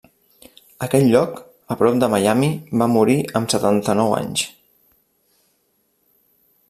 A aquest lloc, a prop de Miami, va morir amb setanta-nou anys.